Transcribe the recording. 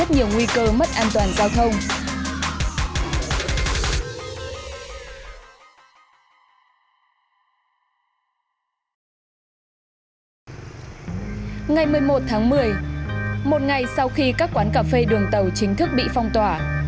ngày một mươi một tháng một mươi một ngày sau khi các quán cà phê đường tàu chính thức bị phong tỏa